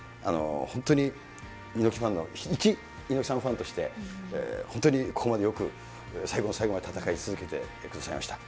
本当に猪木ファンの、いち猪木さんファンとして、本当にここまでよく、最後の最後まで闘い続けてくださいました。